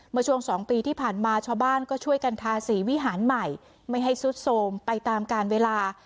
เมื่อช่วง๒ปีที่ผ่านมาชาวบ้านก็ช่วยกันทาสีวิหารใหม่ไม่ให้ซุดโทรมไปตามการเวลา